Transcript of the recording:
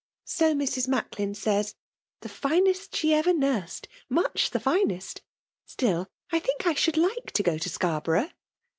" So Mrs. Macklin says — ^the finest she ever nursed — ^much the finest ! Still I think I should like to go to Scarborough."